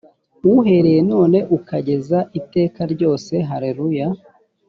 uhereye none ukageza iteka ryose haleluya